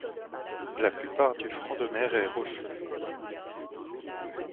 La plupart du front de mer est rocheux.